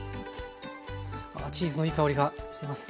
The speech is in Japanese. ああチーズのいい香りがしてます。